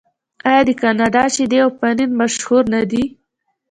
آیا د کاناډا شیدې او پنیر مشهور نه دي؟